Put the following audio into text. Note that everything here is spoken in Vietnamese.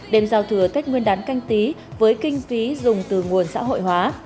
đềm giao thừa cách nguyên đán canh tí với kinh phí dùng từ nguồn xã hội hóa